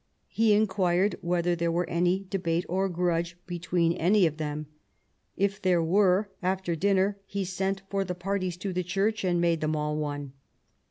He inquired whether there were any debate or grudge between any of them. K there were, after dinner he sent for the parties to the church and made them all one."